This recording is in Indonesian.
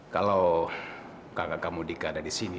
kalau kakak kamu dika ada di sini